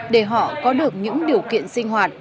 để họ có được những điều kiện sinh hoạt